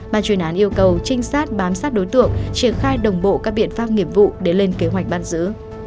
bàn chuyên án yêu cầu trinh sát bám sát đối tượng triển khai đồng bộ các biện pháp nghiệp vụ để lên kế hoạch ban giữ